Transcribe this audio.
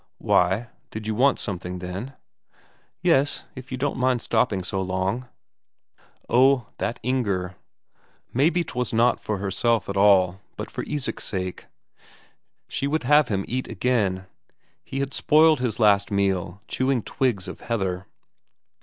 "Why, did you want something, then?" "Yes, if you don't mind stopping so long." Oh, that Inger, maybe 'twas not for herself at all, but for Isak's sake. She would have him eat again; he had spoiled his last meal chewing twigs of heather.